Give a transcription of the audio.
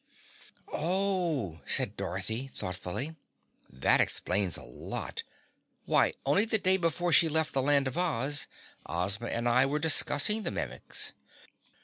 "Oh," said Dorothy thoughtfully, "that explains a lot of things. Why, only the day before she left the Land of Oz, Ozma and I were discussing the Mimics."